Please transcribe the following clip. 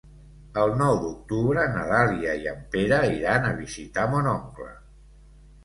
El nou d'octubre na Dàlia i en Pere iran a visitar mon oncle.